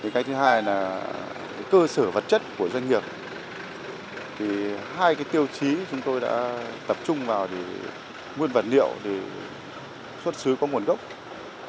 cái thứ hai là cơ sở vật chất của doanh nghiệp hai tiêu chí chúng tôi đã tập trung vào nguyên vật liệu để xuất xứ có nguồn gốc rất rõ ràng